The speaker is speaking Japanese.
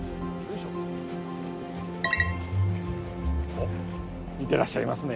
おっ見てらっしゃいますね。